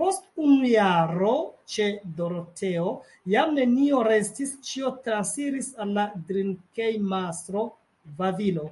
Post unu jaro ĉe Doroteo jam nenio restis ĉio transiris al la drinkejmastro Vavilo.